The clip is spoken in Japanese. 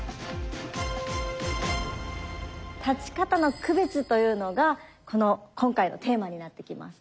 立ち方の区別というのが今回のテーマになってきます。